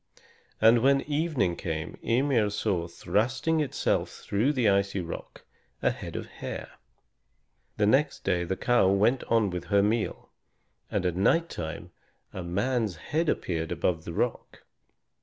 And when evening came Ymir saw thrusting itself through the icy rock a head of hair. The next day the cow went on with her meal, and at night time a man's head appeared above the rock.